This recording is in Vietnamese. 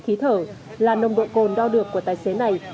chỉ gần một tiếng đồng hồ lập chốt tại đây